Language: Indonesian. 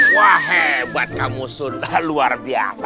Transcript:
wah hebat kamu sudah luar biasa